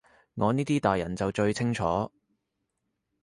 我呢啲大人就最清楚